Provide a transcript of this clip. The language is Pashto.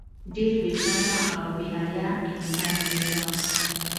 ډیر بی شرمه او بی حیا انسان یی ته